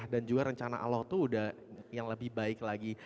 dan juga rencana allah tuh udah yang lebih baik lagi